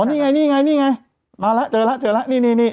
นี่ไงนี่ไงนี่ไงมาแล้วเจอแล้วเจอแล้วนี่